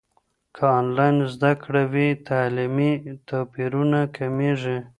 که انلاین زده کړه وي، تعلیمي توپیرونه کمېږي.